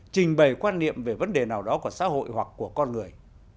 trình bày quan niệm về vấn đề nào đó của xã hội hoặc của con người